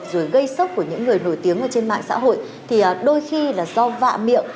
rồi gây sốc của những người nổi tiếng ở trên mạng xã hội thì đôi khi là do vạ miệng